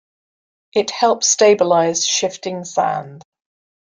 It helps stabilize shifting sand.